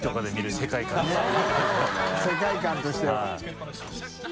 修Δ諭世界観としては。